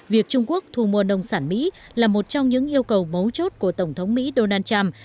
việc trung quốc thu mua nông sản mỹ là một trong những yêu cầu mấu chốt của tổng thống mỹ donald trump